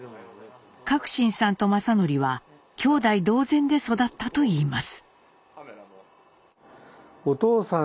信さんと正順は兄弟同然で育ったといいます。